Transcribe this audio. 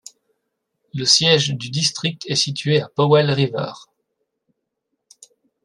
Le siège du district est situé à Powell River.